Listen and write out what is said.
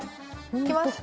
いきます。